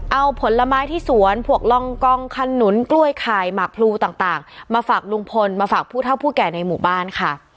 เอาผลไม้ที่สวนผวกลองกองขนุนกล้วยไข่หมากพลูต่างมาฝากลุงพลมาฝากผู้เท่าผู้แก่ในหมู่บ้านค่ะ